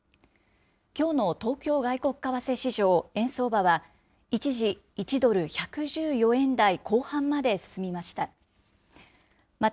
きょうの東京外国為替市場、円相場は、一時１ドル１１４円台後半まで進みました。